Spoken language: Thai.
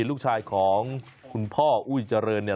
ลูกชายของคุณพ่ออุ้ยเจริญเนี่ย